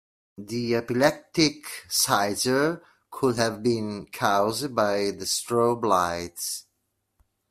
The epileptic seizure could have been cause by the strobe lights.